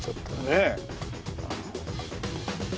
ねえ。